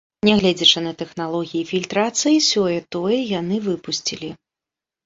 Нягледзячы на тэхналогіі фільтрацыі, сёе-тое яны выпусцілі.